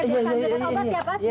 biar saya ambilkan obat ya